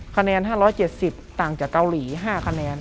คะแนน๕๗๐ต่างจากเกาหลี๕คะแนน